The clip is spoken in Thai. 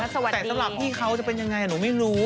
แต่สำหรับพี่เขาจะเป็นยังไงหนูไม่รู้